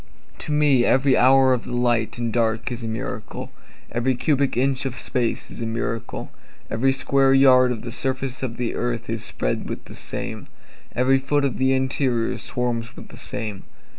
To me every hour of the light and dark is a miracle, Every cubic inch of space is a miracle, Every square yard of the surface of the earth is spread with the same, Every foot of the interior swarms with the same.